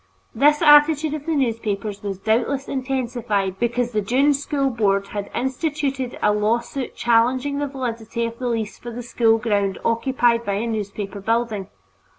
This attitude of the newspapers was doubtless intensified because the Dunne School Board had instituted a lawsuit challenging the validity of the lease for the school ground occupied by a newspaper building.